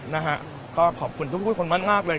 นะฮะก็ขอบคุณทุกคนมากเลย